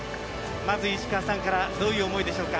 まず石川さんから、どういう思いでしょうか。